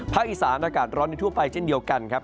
อีสานอากาศร้อนในทั่วไปเช่นเดียวกันครับ